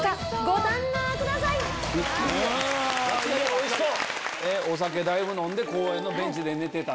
おいしそう！